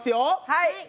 はい！